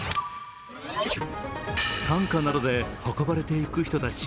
担架などで運ばれていく人たち。